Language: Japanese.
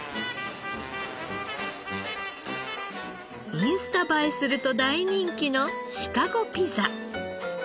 インスタ映えすると大人気のシカゴピザ。